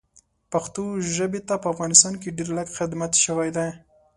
پښتو ژبې ته په افغانستان کې ډېر لږ خدمت شوی ده